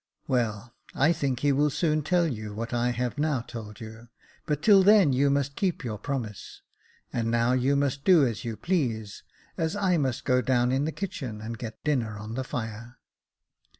"Well, I think he will soon tell you what I have now told you, but till then you must keep your promise ; and now you must do as you please, as I must go down in the kitchen, and get dinner on the fire."